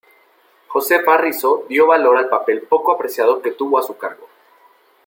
Josefa Rizo dio valor al papel poco apreciado que tuvo a su cargo.